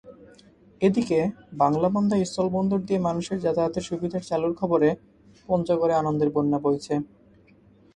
এদিকে বাংলাবান্ধা স্থলবন্দর দিয়ে মানুষের যাতায়াতের সুবিধার চালুর খবরে পঞ্চগড়ে আনন্দের বন্যা বইছে।